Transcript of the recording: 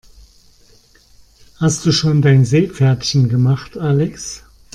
Hast du schon dein Seepferdchen gemacht, Alex?